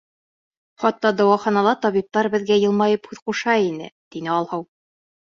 Хатта дауаханала табиптар беҙгә йылмайып һүҙ ҡуша ине. — тине Алһыу.